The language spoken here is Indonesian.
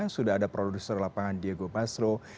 sudah ada produser lapangan diego basro